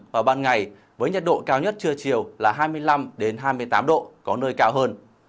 vào ban ngày với nhiệt độ cao nhất trưa chiều là hai mươi năm hai mươi tám độ có nơi cao hơn